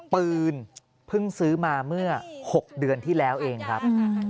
ปืนเพิ่งซื้อมาเมื่อ๖เดือนที่แล้วเองครับ